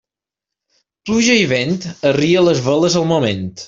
Pluja i vent, arria les veles al moment.